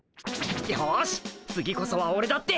よし次こそはオレだって。